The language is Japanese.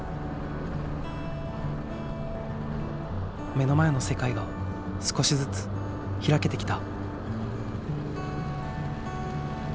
目の前の世界が少しずつ開けてきた。